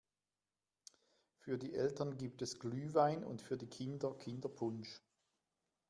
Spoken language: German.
Für die Eltern gibt es Glühwein und für die Kinder Kinderpunsch.